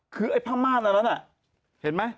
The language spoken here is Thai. คือไอ้ผ้าม่านอันนั้นน่ะเห็นไหม